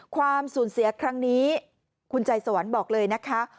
ความสูญเสียครั้งนี้คุณใจสวรรค์บอกเลยนะคะ